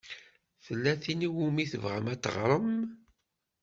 Tella tin i wumi tebɣam ad teɣṛem?